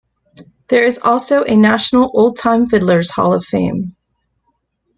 There is also a National Oldtime Fiddlers' Hall of Fame.